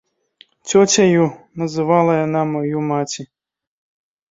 Цёцяю называла яна маю маці.